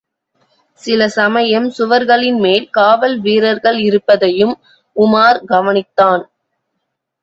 சில சமயம் சுவர்களின் மேல் காவல் வீரர்கள் இருப்பதையும் உமார் கவனித்தான்.